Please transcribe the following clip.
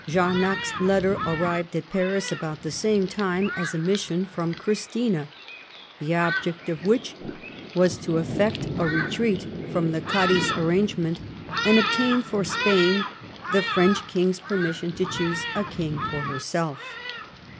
Jamao's letter arrived at Paris about the same time afr a mission from Christina, the object of which was to effect a retreat from the Cadiz arrangement, and obtain for Spain the French King's permission to choose a king for herself.